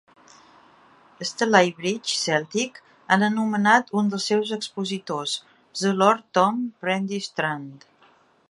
Stalybridge Celtic han anomenat un dels seus expositors "The Lord Tom Pendry Stand".